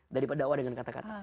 daripada dakwah dengan kata kata